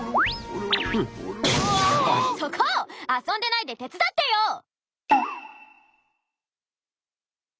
遊んでないで手伝ってよ！